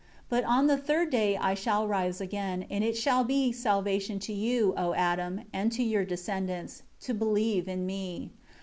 9 But on the third day I shall rise again, and it shall be salvation to you, O Adam, and to your descendants, to believe in Me.